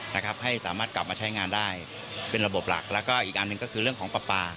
นะครับให้สามารถกลับมาใช้งานได้เป็นระบบหลักแล้วก็อีกอันหนึ่งก็คือเรื่องของปลาปลา